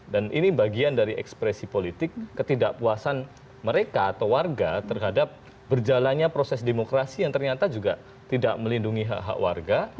dan ini bagian dari ekspresi politik ketidakpuasan mereka atau warga terhadap berjalannya proses demokrasi yang ternyata juga tidak melindungi hak hak warga